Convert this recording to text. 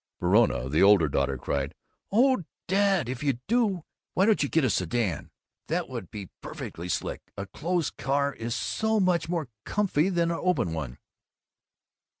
Verona, the older daughter, cried, "Oh, Dad, if you do, why don't you get a sedan? That would be perfectly slick! A closed car is so much more comfy than an open one."